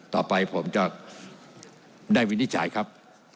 ต่อไปผมจะได้วินิจฉัยครับ